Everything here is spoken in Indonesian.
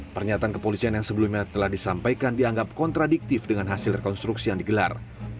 pernyataan kepolisian yang sebelumnya telah disampaikan dianggap kontradiktif dengan hasil rekonstruksi yang digelar